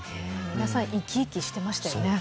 皆さん生き生きしていましたよね。